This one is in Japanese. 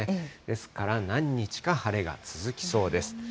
ですから、何日か晴れが続きそうです。